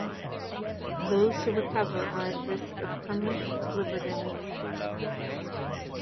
Those who recover are at risk of permanent liver damage.